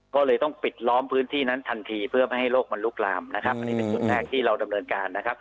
ก็เลยต้องปิดล้อมพื้นที่นั้นทันทีเพื่อไม่ให้โรคมันลุกลามนี่เป็นจุดแรกที่เราดำเนินการ